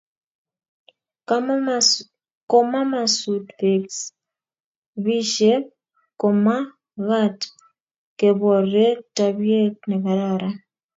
komamasut pek bisiek komakat keporie tapiet nekararan